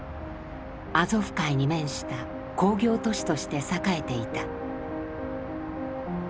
アゾフ海に面した工業都市として栄えていた。